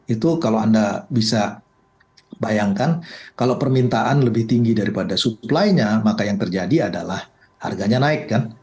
itu kalau anda bisa bayangkan kalau permintaan lebih tinggi daripada supply nya maka yang terjadi adalah harganya naik kan